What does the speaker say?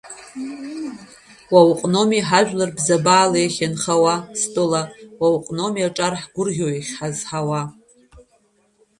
Уа уҟноумеи ҳажәлар бзабаала иахьынхауа, стәыла, уа уҟноумеи аҿар ҳгәрӷьо иахьҳазҳауа.